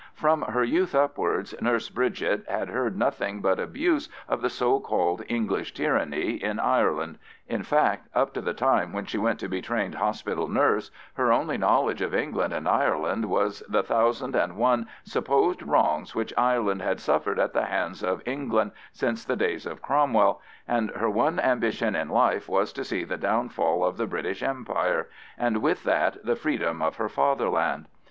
From her youth upwards Nurse Bridget had heard nothing but abuse of the so called English tyranny in Ireland—in fact, up to the time when she went to be trained hospital nurse, her only knowledge of England and Ireland was the thousand and one supposed wrongs which Ireland had suffered at the hands of England since the days of Cromwell, and her one ambition in life was to see the downfall of the British Empire, and with that the freedom of her fatherland.